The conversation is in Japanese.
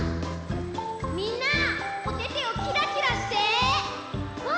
みんなおててをキラキラして！